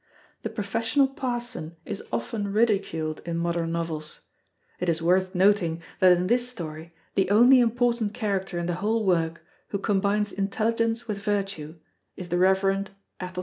The professional parson is often ridiculed in modern novels; it is worth noting that in this story the only important character in the whole work who combines intelligence with virtue is the Reverend Athelstan Taylor.